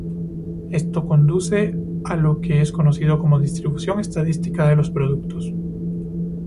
Esto conduce a lo que es conocido como "distribución estadística de los productos".